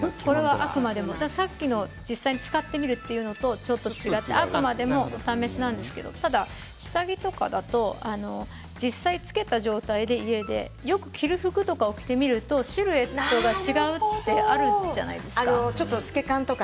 さっきの使ってみるというのとは、ちょっと違ってあくまでもお試しなんですけれども下着だと実際に家で着けた状態でよく着る服を着てみるとシルエットが違うって透け感とか